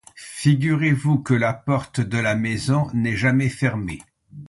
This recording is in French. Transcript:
Figurez-vous que la porte de la maison n’est jamais fermée.